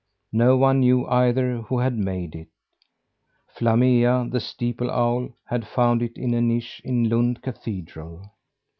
No one knew, either, who had made it. Flammea, the steeple owl, had found it in a niche, in Lund cathedral.